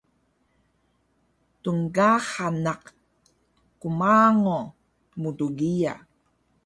tnkaxa naq qmango mtgiya